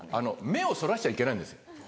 目をそらしちゃいけないんですよ。